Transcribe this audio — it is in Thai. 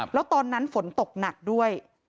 แล้วตอนนั้นฝนตกหนักด้วย